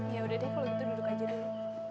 ya udah deh kalau gitu duduk aja deh